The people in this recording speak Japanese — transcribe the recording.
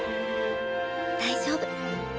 大丈夫。